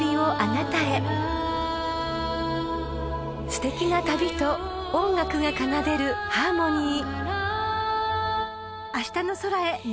［すてきな旅と音楽が奏でるハーモニー］